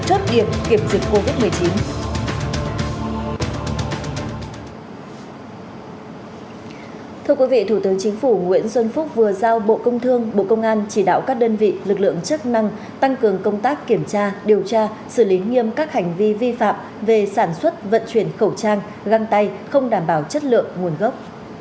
thưa quý vị thủ tướng chính phủ nguyễn xuân phúc vừa giao bộ công thương bộ công an chỉ đạo các đơn vị lực lượng chức năng tăng cường công tác kiểm tra điều tra xử lý nghiêm các hành vi vi phạm về sản xuất vận chuyển khẩu trang găng tay không đảm bảo chất lượng nguồn gốc